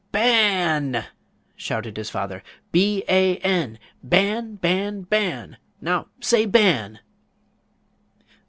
"Ba a a an!" shouted his father, "B a n, Ban, Ban, Ban! Now say Ban!"